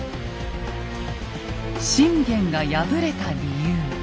信玄が敗れた理由。